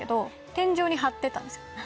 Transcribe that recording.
天井に張ってたんです。